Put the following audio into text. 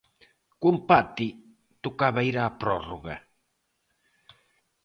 Co empate, tocaba ir á prórroga.